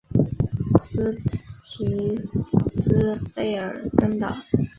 斯匹兹卑尔根岛。